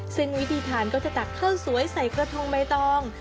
ซึ่งวิธีทานก็จะตักข้าวสวยใส่กระทงใบตอง